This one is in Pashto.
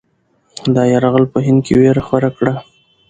دا یرغل په هند کې وېره خوره کړه.